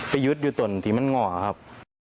ไปยึดอยู่ตรงนั้นที่มันน่ง่อครับ